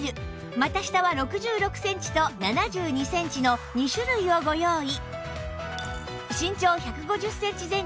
股下は６６センチと７２センチの２種類をご用意